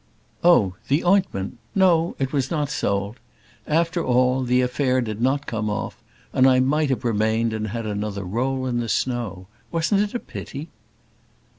"Oh! the ointment. No; it was not sold. After all, the affair did not come off, and I might have remained and had another roll in the snow. Wasn't it a pity?"